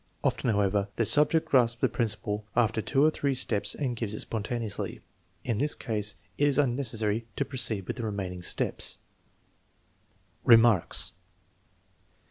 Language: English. Often, however, the subject grasps the principle after two or three steps and gives it spontaneously. In this case it is unnecessary to proceed with the remaining steps. 312 THE MEASUREMENT OF INTELLIGENCE Remarks.